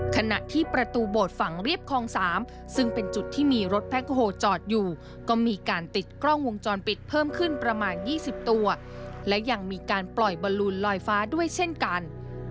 ขณะที่ประตูโบสถ์ฝั่งเรียบคลอง๓ซึ่งเป็นจุดที่มีรถแพ็คโฮลจอดอยู่ก็มีการติดกล้องวงจรปิดเพิ่มขึ้นประมาณ๒๐ตัวและยังมีการปล่อยบอลลูนลอยฟ้าด้วยเช่นกัน